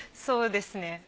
そうですね。